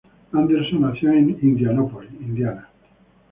Anderson nació en Indianápolis, Indiana.